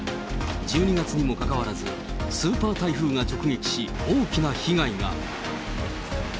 １２月にもかかわらず、スーパー台風が直撃し、大きな被害が。